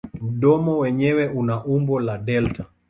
Mdomo wenyewe una umbo la delta.